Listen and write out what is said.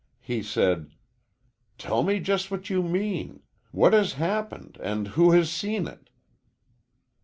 He said: "Tell me just what you mean. What has happened, and who has seen it?"